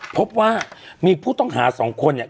พบว่ามีผู้ต้องหาสองคนเนี่ย